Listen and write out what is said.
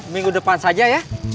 minggu depan saja ya